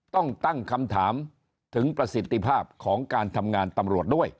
ต้องตั้งคำถามถึงประสิทธิภาพของการทำงานตำรวจด้วย